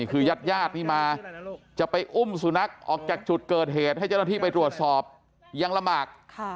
คือญาติญาติที่มาจะไปอุ้มสุนัขออกจากจุดเกิดเหตุให้เจ้าหน้าที่ไปตรวจสอบยังลำบาก